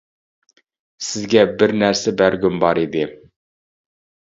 -سىزگە بىر نەرسە بەرگۈم بار ئىدى.